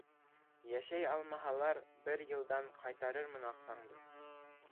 Йәшәй алмаһалар, бер йылдан ҡайтарырмын аҡсаңды!